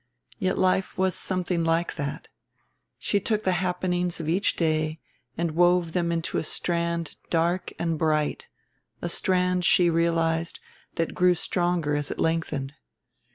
Yet life was something like that she took the happenings of each day and wove them into a strand dark and bright: a strand, she realized, that grew stronger as it lengthened....